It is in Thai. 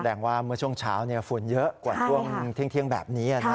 ว่าเมื่อช่วงเช้าฝุ่นเยอะกว่าช่วงเที่ยงแบบนี้